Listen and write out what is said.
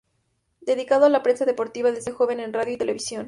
Dedicado a la prensa deportiva desde joven en radio y televisión.